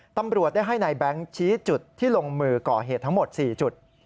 ตำรวจได้ให้นายแบงค์ชี้จุดที่ลงมือก่อเหตุทั้งหมด๔จุด